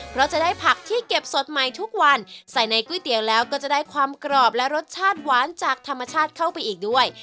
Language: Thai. เพราะจะได้ผักที่เก็บสดใหม่ทุกวันใส่ในก๋วยเตี๋ยวแล้วก็จะได้ความกรอบและรสชาติหวานจากธรรมชาติเข้าไปอีกด้วย